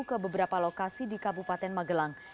ke beberapa lokasi di kabupaten magelang